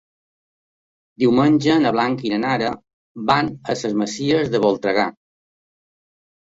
Diumenge na Blanca i na Nara van a les Masies de Voltregà.